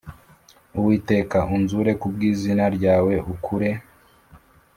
Uwiteka unzure ku bw izina ryawe ukure